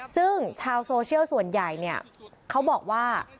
ซึ่งชาวโซเชียลส่วนใหญ่เนี่ยเขาบอกว่า